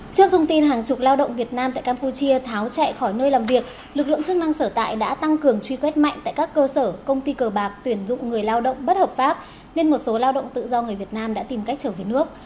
trước thông tin hàng chục lao động việt nam tại campuchia tháo chạy khỏi nơi làm việc lực lượng chức năng sở tại đã tăng cường truy quét mạnh tại các cơ sở công ty cờ bạc tuyển dụng người lao động bất hợp pháp nên một số lao động tự do người việt nam đã tìm cách trở về nước